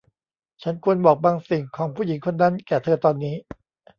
ฉันควรบอกบางสิ่งของผู้หญิงคนนั้นแก่เธอตอนนี้